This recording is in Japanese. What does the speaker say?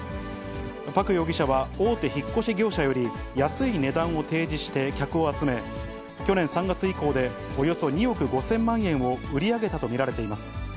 パク容疑者は、大手引っ越し業者より安い値段を提示して客を集め、去年３月以降で、およそ２億５０００万円を売り上げたと見られています。